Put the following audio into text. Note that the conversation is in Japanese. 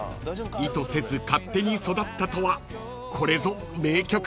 ［意図せず勝手に育ったとはこれぞ名曲です］